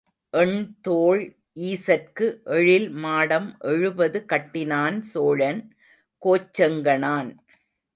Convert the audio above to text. எண் தோள் ஈசற்கு எழில் மாடம் எழுபது கட்டினான், சோழன் கோச்செங்கணான்.